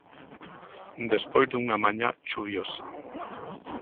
Despois dunha mañá chuviosa.